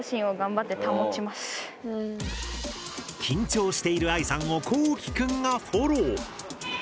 緊張しているあいさんをこうきくんがフォロー！